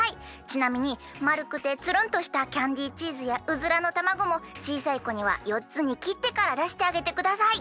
ちなみにまるくてつるんとしたキャンディーチーズやウズラのたまごもちいさいこには４つにきってからだしてあげてください。